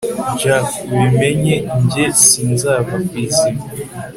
jack ubimenye njye sinzava kwizima